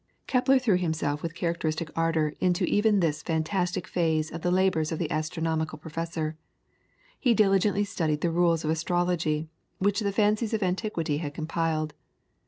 Kepler threw himself with characteristic ardour into even this fantastic phase of the labours of the astronomical professor; he diligently studied the rules of astrology, which the fancies of antiquity had compiled.